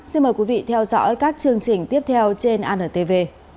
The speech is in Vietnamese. xin mời quý vị theo dõi các chương trình tiếp theo trên antv